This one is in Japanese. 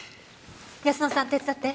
泰乃さん手伝って。